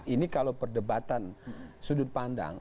ini kalau perdebatan sudut pandang